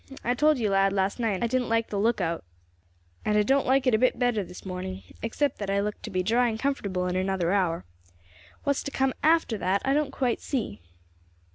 I told you, lad, last night, I didn't like the lookout, and I don't like it a bit better this morning, except that I look to be dry and comfortable in another hour. What's to come after that I don't quite see."